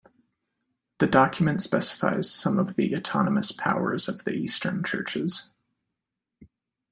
The document specifies some of the autonomous powers of the Eastern Churches.